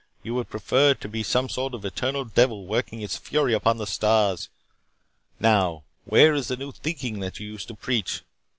You would prefer to be some sort of eternal devil, working its fury upon the stars. Now, where is the new thinking that you used to preach?